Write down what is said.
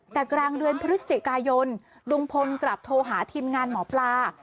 แต่กลางเดือนพฤศจิกายนลุงพลกลับโทรหาทีมงานหมอปลา